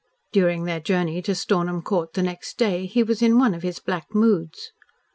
During their journey to Stornham Court the next day he was in one of his black moods.